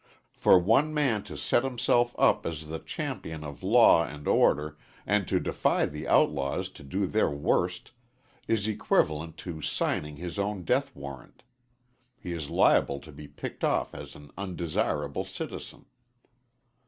For one man to set himself up as the champion of law and order and to defy the outlaws to do their worst, is equivalent to signing his own death warrant. He is liable to be picked off as an undesirable citizen.